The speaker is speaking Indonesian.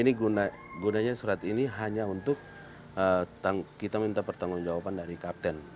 ini gunanya surat ini hanya untuk kita minta pertanggung jawaban dari kapten